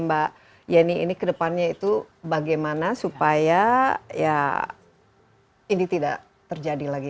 mbak yeni ini kedepannya itu bagaimana supaya ya ini tidak terjadi lagi